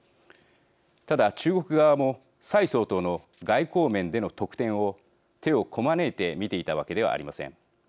ただ中国側も蔡総統の外交面での得点を手をこまねいて見ていたわけではありません。